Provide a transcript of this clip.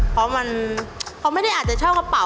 เพราะมันเขาไม่ได้อาจจะเช่ากระเป๋